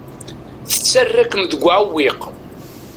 Tettarra-kem deg uɛewwiq.